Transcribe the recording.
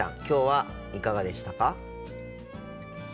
今日はいかがでしたか？